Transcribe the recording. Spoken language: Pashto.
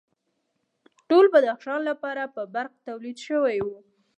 ټول بدخشان لپاره به برق تولید شوی و